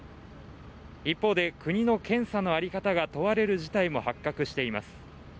一方で国の検査の在り方が問われる事態も発覚しています